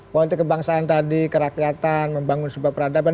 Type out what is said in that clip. politik kebangsaan tadi kerakyatan membangun sebuah peradaban